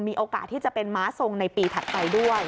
มีโอกาสที่จะเป็นม้าทรงในปีถัดไปด้วย